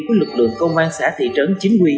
của lực lượng công an xã thị trấn chính quy